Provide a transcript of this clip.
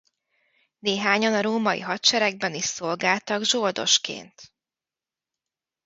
Néhányan a római hadseregben is szolgáltak zsoldosként.